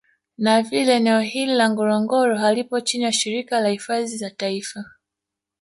Na vile eneo hili la Ngorongoro halipo chini ya shirika la hifadhi za taifa